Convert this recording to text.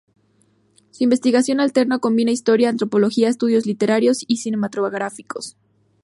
Su investigación alterna o combina historia, antropología, estudios literarios y cinematográficos.